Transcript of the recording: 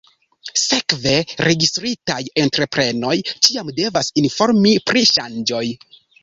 Sekve, registritaj entreprenoj ĉiam devas informi pri ŝanĝoj.